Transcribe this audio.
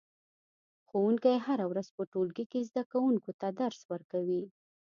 ښوونکی هره ورځ په ټولګي کې زده کوونکو ته درس ورکوي